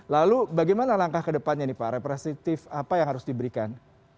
lalu bagaimana langkah ke depannya nih pak represitif apa yang harus diberikan